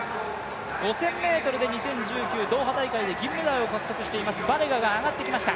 ５０００ｍで２０１９、ドーハ大会で銀メダルを獲得しています、バレガが上がってきました。